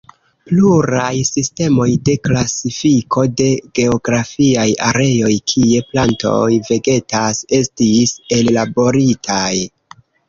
Pluraj sistemoj de klasifiko de geografiaj areoj kie plantoj vegetas, estis ellaboritaj.